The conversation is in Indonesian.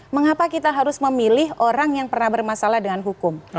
mengapa kita harus memilih orang yang pernah bermasalah dengan hukum